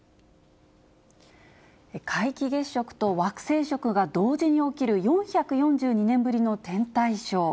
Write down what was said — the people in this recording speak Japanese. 皆既月食と惑星食が同時に起きる、４４２年ぶりの天体ショー。